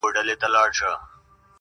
پوه انسان له تېروتنې معنا جوړوي؛